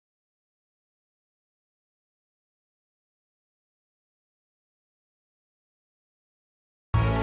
elsa mau ketemu siapa